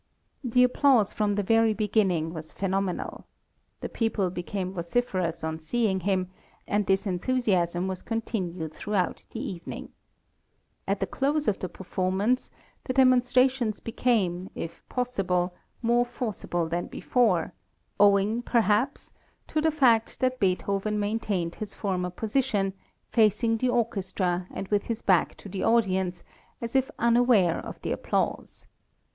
The applause from the very beginning was phenomenal. The people became vociferous on seeing him, and this enthusiasm was continued throughout the evening. At the close of the performance the demonstrations became, if possible, more forcible than before, owing, perhaps, to the fact that Beethoven maintained his former position, facing the orchestra and with his back to the audience, as if unaware of the applause.